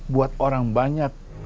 buat orang banyak